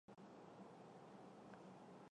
由日本珍珠加工界元老藤堂安家创办。